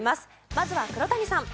まずは黒谷さん。